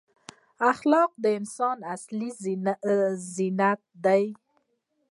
اخلاق د انسان اصلي زینت دی.